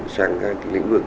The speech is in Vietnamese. sang các cái lĩnh vực